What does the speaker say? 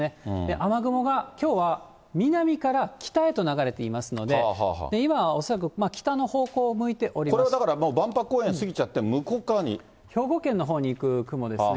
雨雲が、きょうは南から北へと流れていますので、今、これもう、万博公園過ぎちゃって、兵庫県のほうに行く雲ですね。